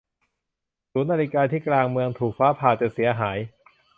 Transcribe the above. นาฬิกาที่ศูนย์กลางเมืองถูกฟ้าผ่าจนเสียหาย